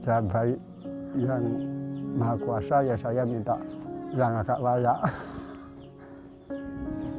jan baik jan maha kuasa ya saya minta jan atas wayang